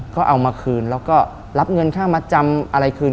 ก็เอามาคืนแล้วก็รับเงินค่ามาจำอะไรคืน